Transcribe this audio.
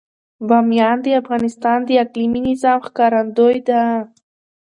بامیان د افغانستان د اقلیمي نظام ښکارندوی ده.